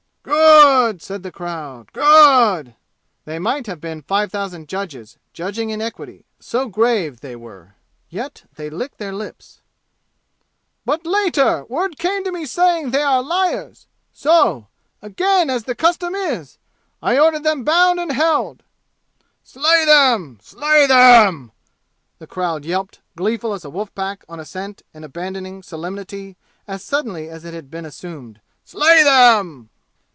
"Good!" said the crowd. "Good!" They might have been five thousand judges, judging in equity, so grave they were. Yet they licked their lips. "But later, word came to me saying they are liars. So again as the custom is I ordered them bound and held!" "Slay them! Slay them!" the crowd yelped, gleeful as a wolf pack on a scent and abandoning solemnity as suddenly as it had been assumed. "Slay them!"